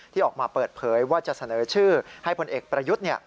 ออกมาเปิดเผยว่าจะเสนอชื่อให้พลเอกประยุทธ์